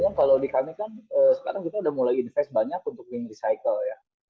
yang kalau di kami kan sekarang kita udah mulai invest banyak untuk wing recycle ya